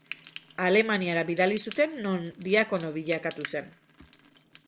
Alemaniara bidali zuten non diakono bilakatu zen.